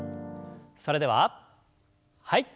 それでははい。